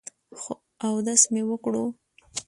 خو اودس مې وکړو ـ